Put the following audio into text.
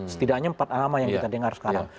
setidaknya empat nama yang kita dengar sekarang